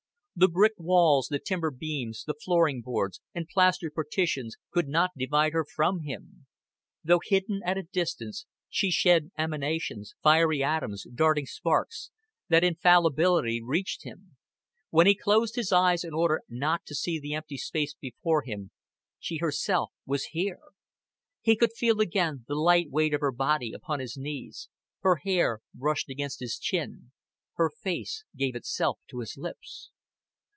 The brick walls, the timber beams, the flooring boards, and plastered partitions could not divide her from him; though hidden at a distance, she shed emanations, fiery atoms, darting sparks, that infallibly reached him: when he closed his eyes in order not to see the empty space before him, she herself was here. He could feel again the light weight of her body upon his knees, her hair brushed against his chin, her face gave itself to his lips.